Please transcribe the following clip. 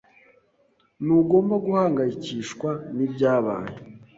Ntugomba guhangayikishwa nibyabaye.